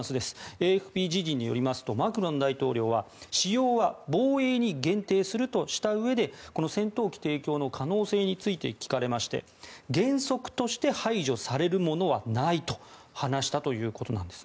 ＡＦＰ時事によりますとマクロン大統領は、使用は防衛に限定するとしたうえで戦闘機提供の可能性について聞かれまして原則として排除されるものはないと話したということです。